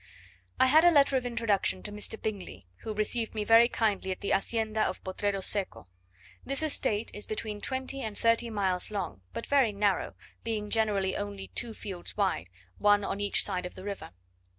I had a letter of introduction to Mr. Bingley, who received me very kindly at the Hacienda of Potrero Seco. This estate is between twenty and thirty miles long, but very narrow, being generally only two fields wide, one on each side the river.